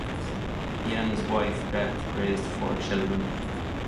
He and his wife, Beth raised four children.